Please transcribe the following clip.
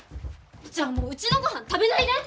じゃあもううちのごはん食べないで！